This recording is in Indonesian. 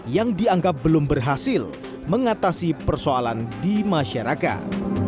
yang dianggap belum berhasil mengatasi persoalan di masyarakat